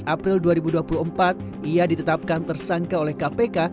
april dua ribu dua puluh empat ia ditetapkan tersangka oleh kpk